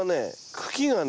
茎がね